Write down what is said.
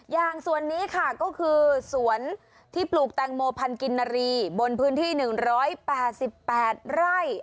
อย่างสวนนี้ค่ะก็คือสวนที่ปลูกแตงโมพันธกินนารีบนพื้นที่๑๘๘ไร่